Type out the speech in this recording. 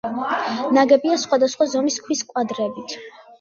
ნაგებია სხვადასხვა ზომის ქვის კვადრებით.